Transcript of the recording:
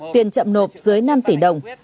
tiền chậm nộp dưới năm tỷ đồng